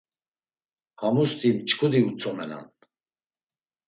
Hamusti mç̌ǩudi utzumenan.